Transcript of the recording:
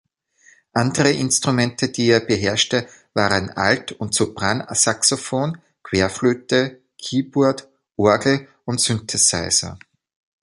Andere Instrumente, die er beherrschte, waren Alt- und Sopransaxophon, Querflöte, Keyboard, Orgel und Synthesizer.